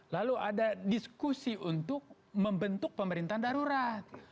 lalu ada diskusi untuk membentuk pemerintahan darurat